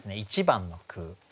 １番の句。